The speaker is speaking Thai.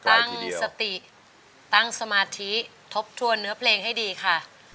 ตั้งสติตั้งสมาธิทบทวนเนื้อเพลงให้ดีค่ะ